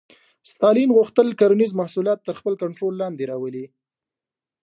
ستالین غوښتل کرنیز محصولات تر خپل کنټرول لاندې راولي